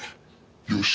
「よし。